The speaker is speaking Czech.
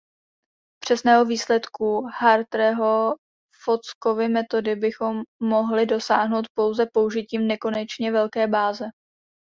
Přesného výsledku Hartreeho–Fockovy metody bychom mohli dosáhnout pouze použitím nekonečně velké báze.